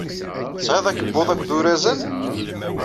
Tesɛiḍ akebbuḍ akked urazal?